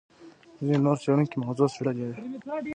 ځینې نور څېړونکي موضوع څېړلې ده.